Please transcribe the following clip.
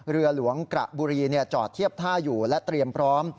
เรือหลวงกระบุรีจอดเทียบท่าอยู่และเตรียมพร้อม